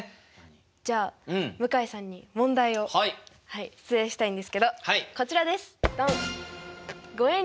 じゃあ向井さんに問題を出題したいんですけどこちらです。